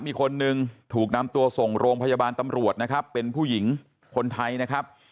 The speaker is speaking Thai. มีคนหนึ่งถูกนำตัวส่งโรงพยาบาลตำรวจนะครับเป็นผู้หญิงคนไทยนะครับ